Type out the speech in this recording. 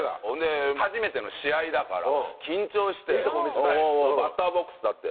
初めての試合だから緊張してバッターボックス立って。